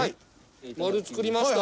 丸作りました。